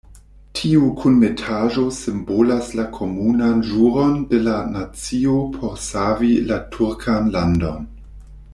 Tiu kunmetaĵo simbolas la komunan ĵuron de la nacio por savi la turkan landon.